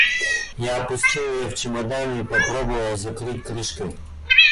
Я опустил ее в чемодан и попробовал закрыть крышкой.